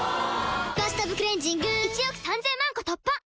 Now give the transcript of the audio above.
「バスタブクレンジング」１億３０００万個突破！